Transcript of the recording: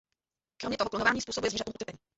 Kromě toho klonování způsobuje zvířatům utrpení.